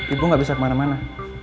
ibu gak bisa kemana mana